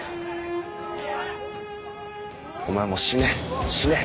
お前もう死ね。